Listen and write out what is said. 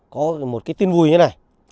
có một cái tin vui như thế này